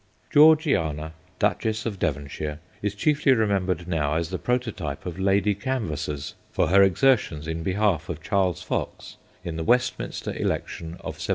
Georgiana, Duchess of Devonshire, is chiefly remembered now as the prototype of lady canvassers, for her exertions in behalf of Charles Fox in the Westminster election of 1784.